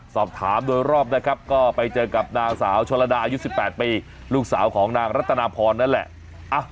สอบถามโดยรอบนะครับก็ไปเจอกับนางสาวชนระดาอายุ๑๘ปีลูกสาวของนางรัตนาพรนั่นแหละ